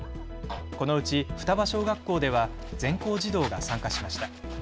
このうち双葉小学校では全校児童が参加しました。